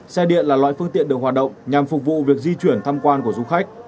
xe điện là loại phương tiện được hoạt động nhằm phục vụ việc di chuyển tham quan của du khách